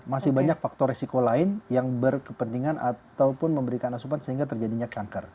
masih banyak faktor resiko lain yang berkepentingan ataupun memberikan asupan sehingga terjadinya kanker